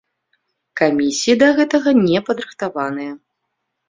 Камісіі да гэтага не падрыхтаваныя!